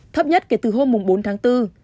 thấp nhất kể từ hôm bốn tháng bốn